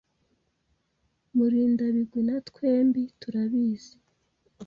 Murindabigwi na twembi turabizi.